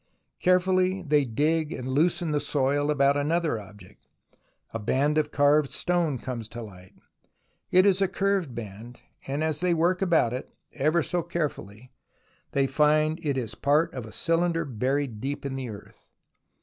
Carefully they dig and loosen the soil about another object. A band of carved stone comes to light ; it is a curved band, and as they work about it ever so carefully, they find it is part of a cylinder buried deep in the earth.